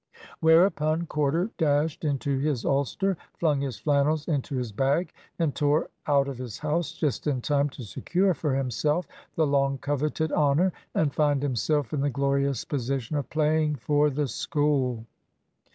Whereupon Corder dashed into his ulster, flung his flannels into his bag, and tore out of his house just in time to secure for himself the long coveted honour, and find himself in the glorious position of "playing for the School."